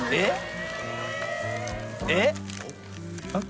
えっ？